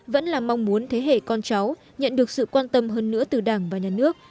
vẫn là mong muốn thế hệ con cháu nhận được sự quan tâm hơn nữa từ đảng và nhà nước